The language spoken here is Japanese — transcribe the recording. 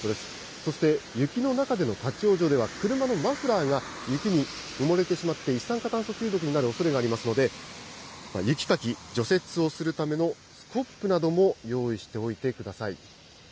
そして雪の中での立往生では、車のマフラーが雪に埋もれてしまって、一酸化炭素中毒になるおそれがありますので、雪かき、除雪をするためのスコップなども用意しておいてください。